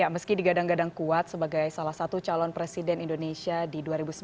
meski digadang gadang kuat sebagai salah satu calon presiden indonesia di dua ribu sembilan belas